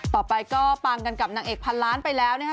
ต่อไปก็ปังกันกับนางเอกพันล้านไปแล้วนะคะ